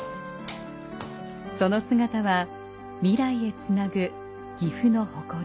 その姿は未来へつなぐ岐阜の誇り。